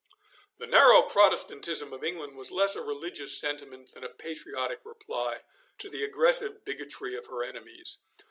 The narrow Protestantism of England was less a religious sentiment than a patriotic reply to the aggressive bigotry of her enemies.